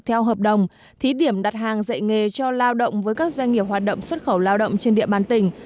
theo hợp đồng thí điểm đặt hàng dạy nghề cho lao động với các doanh nghiệp hoạt động xuất khẩu lao động trên địa bàn tỉnh